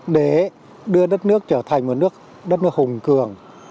để đưa đất nước trở thành một nước đất nước hùng cường